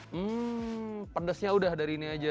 hmm pedesnya udah dari ini aja